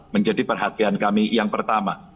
menjadi perhatian kami yang pertama